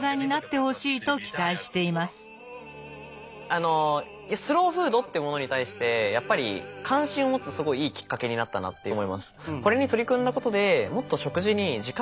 あのスローフードってものに対してやっぱり関心を持つすごいいいきっかけになったなって思います。